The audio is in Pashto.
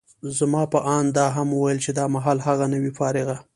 زما په اند، ده دا هم وویل چي دا مهال هغه، نه وي فارغه.